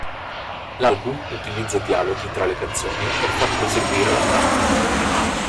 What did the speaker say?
L'album utilizza dialoghi tra le canzoni per far proseguire la trama.